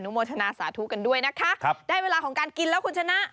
โมทนาสาธุกันด้วยนะคะได้เวลาของการกินแล้วคุณชนะ